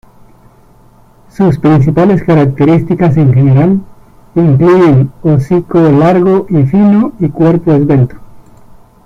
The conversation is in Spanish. Sus principales características en general, incluyen hocico largo y fino y cuerpo esbelto.